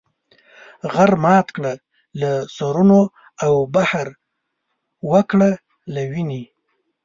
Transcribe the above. غر مات کړه له سرونو او بحر وکړه له وینې.